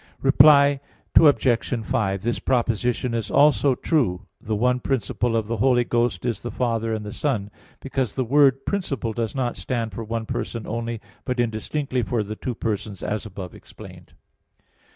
Reply Obj. 5: This proposition is also true: The one principle of the Holy Ghost is the Father and the Son; because the word "principle" does not stand for one person only, but indistinctly for the two persons as above explained.